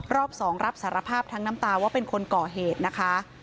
รอบ๒รับสารภาพทั้งน้ำตาว่าเป็นคนก่อเหตุนะคะ